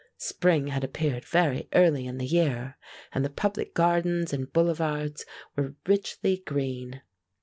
Spring had appeared very early in the year, and the public gardens and boulevards were richly green.